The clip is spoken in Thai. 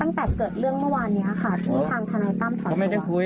ตั้งแต่เกิดเรื่องเมื่อวานนี้ค่ะที่ทางทนายตั้มถอนไม่ได้คุย